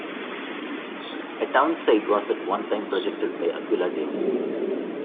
A town site was at one time projected by Aquilla Davis.